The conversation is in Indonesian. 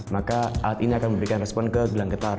maka alat ini akan memberikan respon ke gelang getar